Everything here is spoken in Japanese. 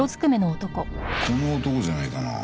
この男じゃねえかな。